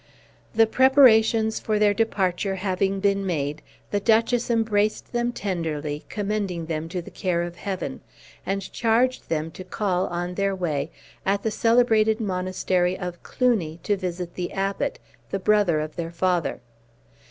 The preparations for their departure having been made, the Duchess embraced them tenderly, commending them to the care of Heaven, and charged them to call, on their way, at the celebrated monastery of Cluny, to visit the Abbot, the brother of their father.